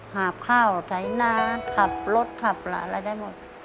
หาบข้าวใช้น้ำขับรถขับอะไรได้หมด